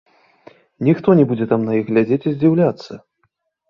Ніхто не будзе там на іх глядзець і здзіўляцца.